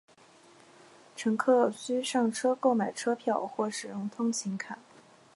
乘客需上车购买车票或使用通勤卡。